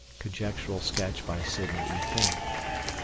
(Conjectural sketch by Sidney E. King.)